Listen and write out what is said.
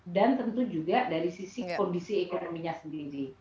tentu juga dari sisi kondisi ekonominya sendiri